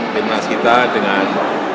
timnas kita dengan